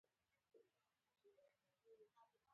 هغه د دریا په بڼه د مینې سمبول جوړ کړ.